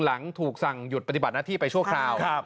หลังถูกสั่งหยุดปฏิบัติหน้าที่ไปชั่วคราว